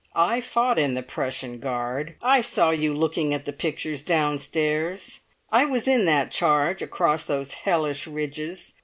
I fought in the Prussian Guard. I saw you looking at the pictures downstairs. I was in that charge across those hellish ridges.